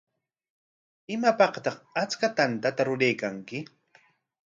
¿Imapaqtaq achka tantata ruraykanki?